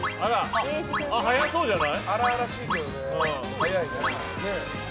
速そうじゃない？